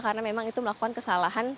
karena memang itu melakukan kesalahan